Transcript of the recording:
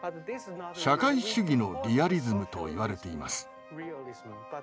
社会主義のリアリズムと言われています。